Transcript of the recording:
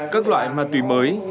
các loại ma túy mới